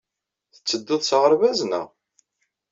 Tettedduḍ s aɣerbaz, naɣ?